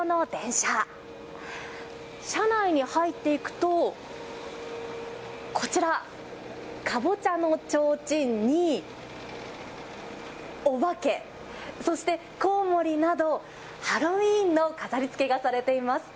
車内に入っていくとこちら、カボチャのちょうちんにお化け、そしてコウモリなどハロウィーンの飾りつけがされています。